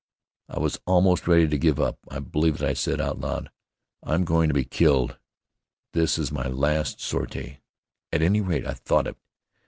I was almost ready to give up. I believe that I said, out loud, "I'm going to be killed. This is my last sortie." At any rate, I thought it.